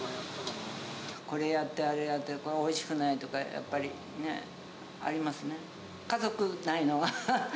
これやってあれやって、これおいしくないとか、やっぱりありますね。